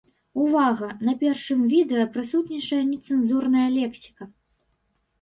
Увага, на першым відэа прысутнічае нецэнзурная лексіка!